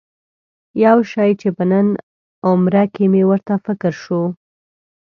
یو شی چې په نن عمره کې مې ورته فکر شو.